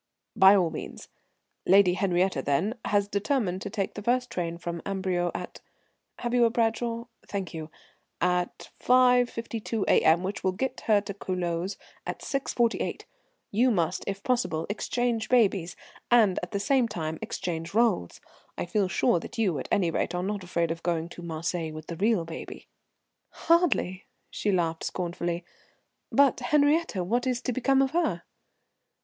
"By all means. Lady Henriette then has determined to take the first train from Amberieu at Have you a Bradshaw? Thank you at 5.52 A.M., which will get her to Culoz at 6.48. You must, if possible, exchange babies, and at the same time exchange rôles. I feel sure that you, at any rate, are not afraid of going to Marseilles with the real baby." "Hardly!" she laughed scornfully. "But Henriette what is to become of her?"